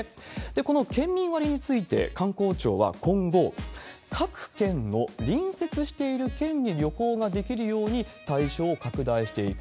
この県民割について観光庁は今後、各県の隣接している県に旅行ができるように、対象を拡大していく。